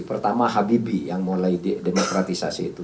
pertama habibie yang mulai demokratisasi itu